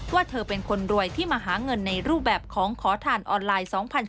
ว่าเธอเป็นคนรวยที่มาหาเงินในรูปแบบของขอทานออนไลน์๒๐๑๙